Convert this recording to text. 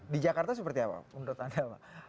di jakarta seperti apa menurut anda